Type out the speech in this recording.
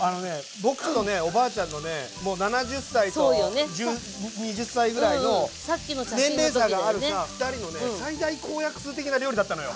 僕とねおばあちゃんのねもう７０歳と２０歳ぐらいの年齢差がある２人のね最大公約数的な料理だったのよ。